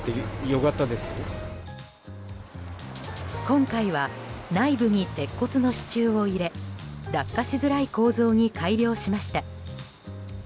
今回は内部に鉄骨の支柱を入れ落下しづらい構造に改良しました。